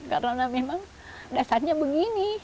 karena memang dasarnya begini